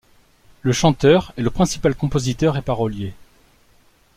Le chanteur est le principal compositeur et parolier.